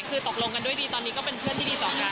คือตกลงกันด้วยดีตอนนี้ก็เป็นเพื่อนที่ดีต่อกัน